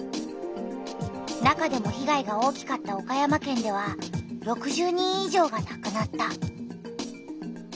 中でも被害が大きかった岡山県では６０人い上がなくなった。